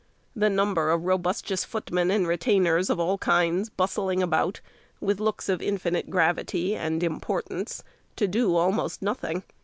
The number of robustious footmen and retainers of all kinds bustling about, with looks of infinite gravity and importance, to do almost nothing.